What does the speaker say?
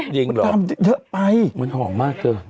มันทำเยอะไปมันหอมมากเกิน